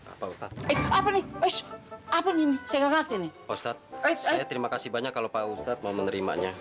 apa nih apa nih saya ngerti nih postat terima kasih banyak kalau pak ustadz mau menerimanya